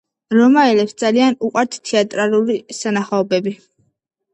რომაელებს ძალიან უყვართ თეატრალური სანახაობები.